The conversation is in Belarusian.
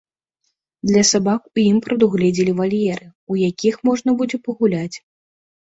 Для сабак у ім прадугледзелі вальеры, у якіх можна будзе пагуляць.